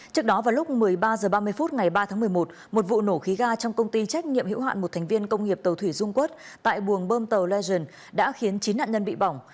trước đó vào lúc một mươi ba h ba mươi phút ngày ba tháng một mươi một một vụ nổ khí ga trong công ty trách nhiệm hữu hạn một thành viên công nghiệp tàu thủy dung quốc tại buồng bơm tàu legend đã khiến chín nạn nhân bị bỏng